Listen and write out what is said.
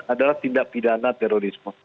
adalah tidak pidana terorisme